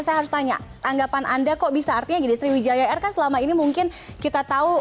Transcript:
saya harus tanya tanggapan anda kok bisa artinya gini sriwijaya air kan selama ini mungkin kita tahu